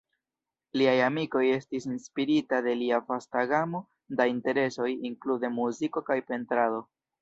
Liaj amikoj estis inspirita de lia vasta gamo da interesoj, inklude muziko kaj pentrado.